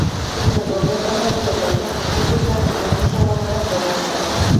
কিন্তু রোগের দোহাই দিয়ে লেখক কুকুরটির প্রতি গভীর অনুরাগ প্রকাশ করে।